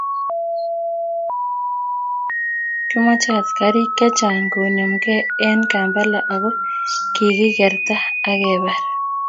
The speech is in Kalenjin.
kimochei askarik chechang' konemugei eng' Kampala ako kikikerta ak kebar.